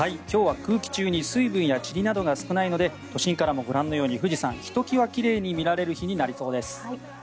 今日は空気中に水分やちりなどが少ないので都心からもご覧のように富士山ひときわ奇麗に見られる日になります。